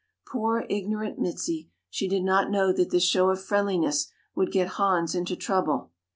Poor, ignorant Mizi, she did not know that this show of friendliness would get Hans into trouble.